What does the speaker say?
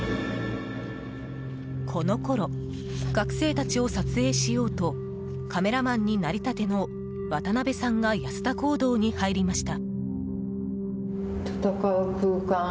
このころ学生たちを撮影しようとカメラマンになりたての渡辺さんが安田講堂に入りました。